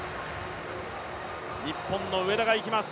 日本の上田がいきます。